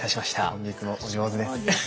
本日もお上手です。